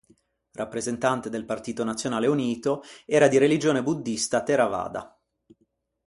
Rappresentante del Partito Nazionale Unito, era di religione Buddhista Theravada.